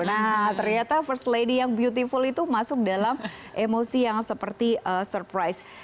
nah ternyata first lady yang beautiful itu masuk dalam emosi yang seperti surprise